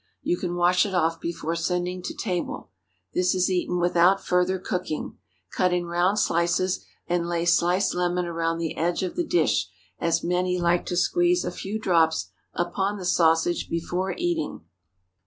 You can wash it off before sending to table. This is eaten without further cooking. Cut in round slices, and lay sliced lemon around the edge of the dish, as many like to squeeze a few drops upon the sausage before eating.